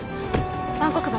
万国橋。